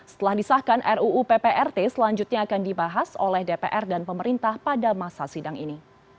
setelah disahkan ruu pprt selanjutnya akan dibahas oleh dpr dan pemerintah pada masa sidang ini